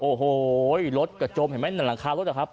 โอ้โฮรถกระจมเห็นไหมหลังคารถเหรอครับ